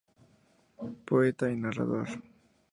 Poeta y narrador.